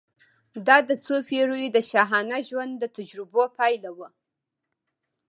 دا د څو پېړیو د شاهانه ژوند د تجربو پایله وه.